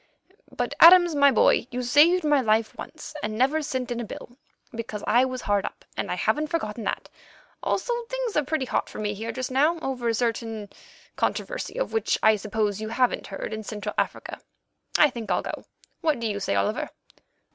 But, Adams, my boy, you saved my life once, and never sent in a bill, because I was hard up, and I haven't forgotten that. Also things are pretty hot for me here just now over a certain controversy of which I suppose you haven't heard in Central Africa. I think I'll go. What do you say, Oliver?"